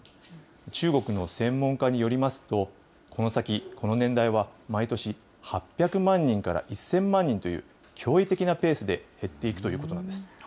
中国の専門家によりますと、この先、この年代は毎年８００万人から１０００万人という、驚異的なペースで減っていくということなんです。